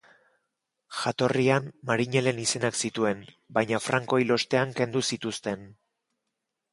Jatorrian marinelen izenak zituen, baina Franco hil ostean kendu zituzten.